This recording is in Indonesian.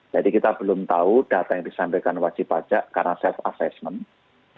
jadi kita belum tahu data yang disampaikan wajib pajak karena self assessment